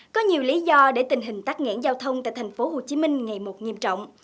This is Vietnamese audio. có nhiều lý do để tình hình tắc nghẽn giao thông tại tp hcm ngày một nghiêm trọng